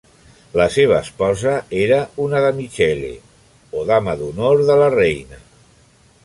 La seva esposa era una "damicellae" o dama d'honor de la reina.